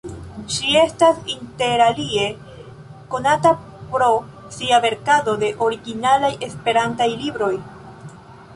Ŝi estas interalie konata pro sia verkado de originalaj esperantaj libroj.